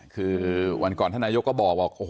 คือวันก่อนท่านนายกก็บอกโอ้โห